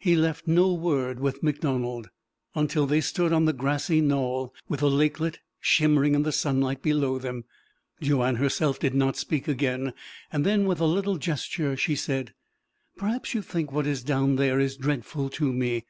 He left no word with MacDonald. Until they stood on the grassy knoll, with the lakelet shimmering in the sunlight below them, Joanne herself did not speak again. Then, with a little gesture, she said: "Perhaps you think what is down there is dreadful to me.